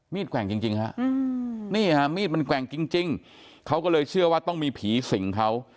แกว่งจริงฮะนี่ฮะมีดมันแกว่งจริงเขาก็เลยเชื่อว่าต้องมีผีสิงเขา